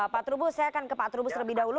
pak trubus saya akan ke pak trubus terlebih dahulu